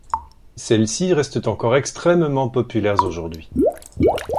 Celles-ci restent encore extrêmement populaires aujourd'hui.